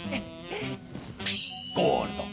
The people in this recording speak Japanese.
ゴールド。